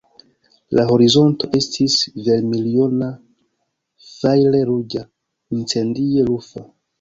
La horizonto estis vermiljona, fajre-ruĝa, incendie-rufa.